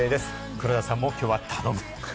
黒田さんも、きょうは頼む。